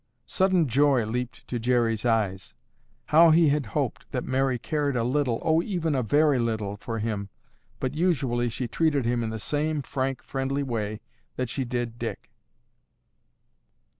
Sudden joy leaped to Jerry's eyes. How he had hoped that Mary cared a little, oh, even a very little, for him, but usually she treated him in the same frank, friendly way that she did Dick.